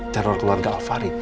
teror keluarga alvari